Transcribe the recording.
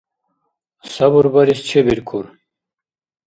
Сабурбарес чебиркур.